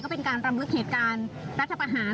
เป็นการรำลึกเหตุการณ์รัฐประหาร